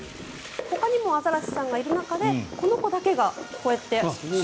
ほかにもアザラシちゃんがいる中でこの子だけが、こうやって。